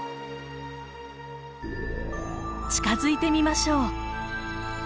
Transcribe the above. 近づいてみましょう。